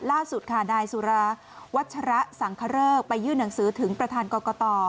ล่าสุดค่ะนายสุราวัชระสังคเริกไปยื่นหนังสือถึงประธานกรกต